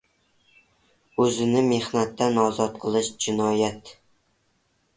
O‘zini mehnatdan ozod qilish — jinoyat.